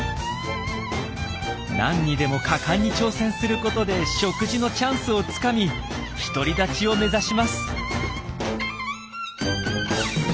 何にでも果敢に挑戦することで食事のチャンスをつかみ独り立ちを目指します。